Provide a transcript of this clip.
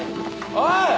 おい！